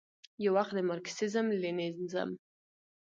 یووخت د مارکسیزم، لیننزم،